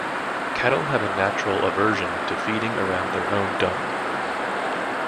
Cattle have a natural aversion to feeding around their own dung.